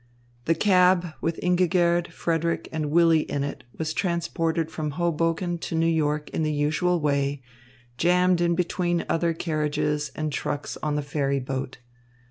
The cab with Ingigerd, Frederick, and Willy in it was transported from Hoboken to New York in the usual way, jammed in between other carriages and trucks on the ferry boat.